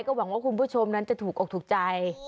หวังว่าคุณผู้ชมนั้นจะถูกอกถูกใจ